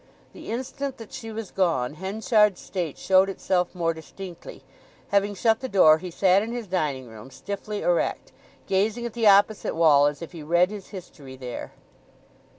The instant that she was gone Henchard's state showed itself more distinctly; having shut the door he sat in his dining room stiffly erect, gazing at the opposite wall as if he read his history there.